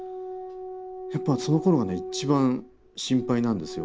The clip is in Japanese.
やっぱそのころがね一番心配なんですよ。